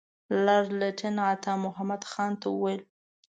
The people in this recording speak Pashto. لارډ لیټن عطامحمد خان ته وویل.